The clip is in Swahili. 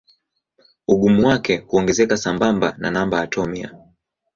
Ugumu wake huongezeka sambamba na namba atomia.